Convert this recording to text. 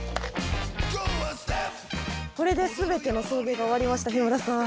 これで全ての送迎が終わりました日村さん。